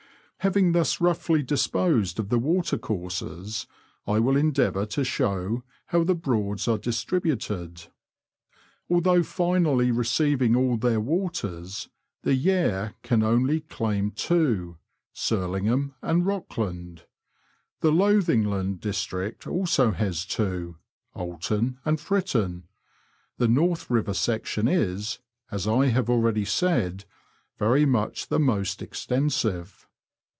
Having thus roughly disposed of the water courses, I will endeavour to show how the Broads are distributed. Although finally receiving all their waters, the Yare can only claim two — Surlingham and Rockland. The Lothingland ^strict also has two, Oulton and Fritton. The North Eiver section is, as I have already said, very much the most extensive.